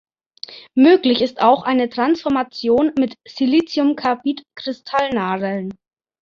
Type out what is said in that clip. Möglich ist auch eine Transformation mit Siliciumkarbid-Kristallnadeln.